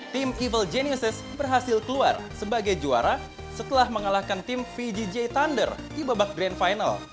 tim evil geniuses berhasil keluar sebagai juara setelah mengalahkan tim vj thunder di babak grand final